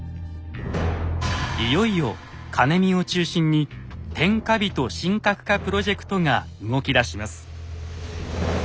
いよいよ兼見を中心に「天下人神格化プロジェクト」が動きだします。